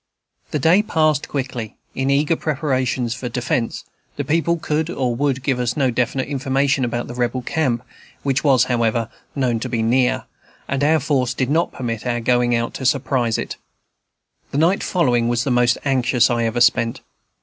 The day passed quickly, in eager preparations for defence; the people could or would give us no definite information about the Rebel camp, which was, however, known to be near, and our force did not permit our going out to surprise it. The night following was the most anxious I ever spent.